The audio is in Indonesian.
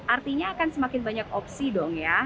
artinya akan semakin banyak opsi dong ya